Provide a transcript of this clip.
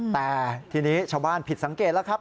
แต่ทีนี้ชาวบ้านผิดสังเกตแล้วครับ